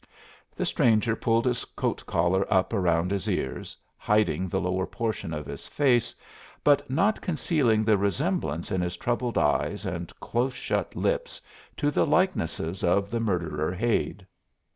The stranger pulled his coat collar up around his ears, hiding the lower portion of his face, but not concealing the resemblance in his troubled eyes and close shut lips to the likenesses of the murderer Hade.